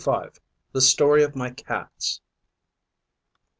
THE STORY OF MY CATS.